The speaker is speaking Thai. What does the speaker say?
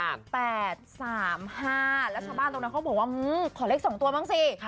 แล้วชาวบ้านตรงนั้นเขาบอกว่าขอเลข๒ตัวบ้างสิ